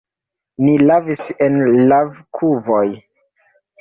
Ni lavis en lavkuvoj.